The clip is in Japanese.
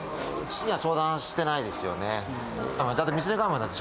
父には相談してないですよね。